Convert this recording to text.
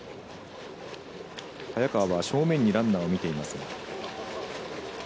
早川は正面にランナーを見ています。